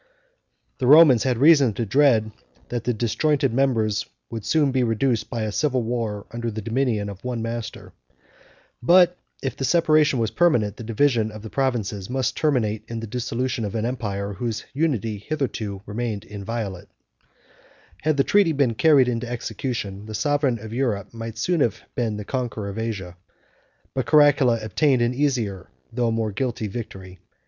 The Romans had reason to dread, that the disjointed members would soon be reduced by a civil war under the dominion of one master; but if the separation was permanent, the division of the provinces must terminate in the dissolution of an empire whose unity had hitherto remained inviolate. 20 20 (return) [ Herodian, l. iv. p. 144.] Had the treaty been carried into execution, the sovereign of Europe might soon have been the conqueror of Asia; but Caracalla obtained an easier, though a more guilty, victory.